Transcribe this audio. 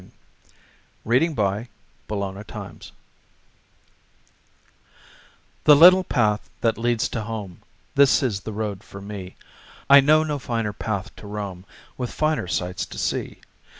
THE PATH THAT LEADS TO HOME The little path that leads to home, That is the road for me, I know no finer path to roam, With finer sights to see.